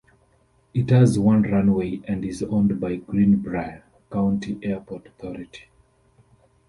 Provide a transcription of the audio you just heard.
It has one runway and is owned by the Greenbrier County Airport Authority.